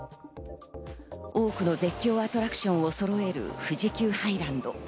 多くの絶叫アトラクションをそろえる富士急ハイランド。